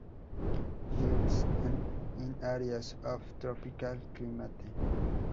Lives in areas of tropical climate.